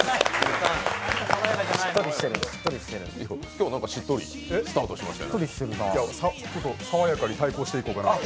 今日何かしっとりスタートしました。